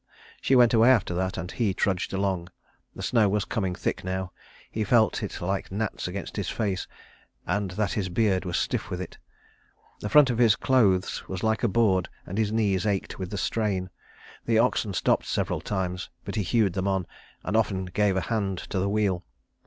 She went away after that, and he trudged along. The snow was coming thick now; he felt it like gnats against his face, and that his beard was stiff with it. The front of his clothes was like a board, and his knees ached with the strain. The oxen stopped several times; but he hued them on, and often gave a hand to the wheel.